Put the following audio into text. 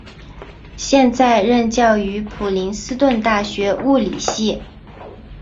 现在任教于普林斯顿大学物理系。